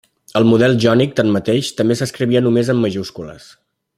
El model jònic, tanmateix, també s'escrivia només en majúscules.